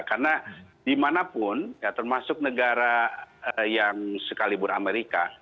karena dimanapun termasuk negara yang sekalibur amerika